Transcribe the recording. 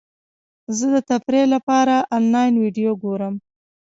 زه د تفریح لپاره انلاین ویډیو ګورم.